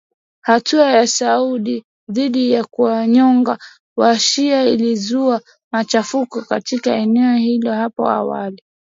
Hatua ya Saudi dhidi ya kuwanyonga wa-shia ilizua machafuko katika eneo hilo hapo awali.